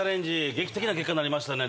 劇的な結果になりましたね